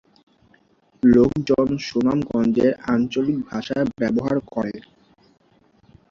লোকজন সুনামগঞ্জের আঞ্চলিক ভাষা ব্যবহার করে।